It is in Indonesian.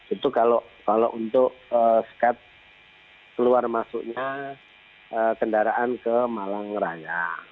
itu kalau untuk skat keluar masuknya kendaraan ke malang raya